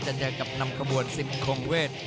จะเจอกับนำกระบวนสิ้นคงเวท